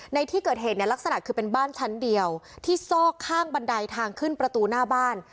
ในที่เกิดเหตุเนี่ยลักษณะคือเป็นบ้านชั้นเดียวที่ซอกข้างบันไดทางขึ้นประตูหน้าบ้าน